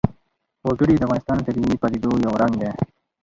وګړي د افغانستان د طبیعي پدیدو یو رنګ دی.